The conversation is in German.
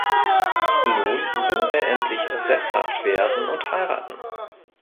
Nun will er endlich „sesshaft“ werden und heiraten.